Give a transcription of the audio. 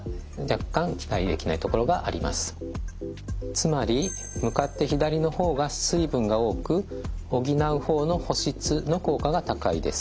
つまり向かって左の方が水分が多く補う方の補湿の効果が高いです。